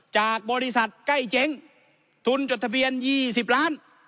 จากบริษัทใกล้เจ๊งทุนจดทะเบียน๒๐ล้าน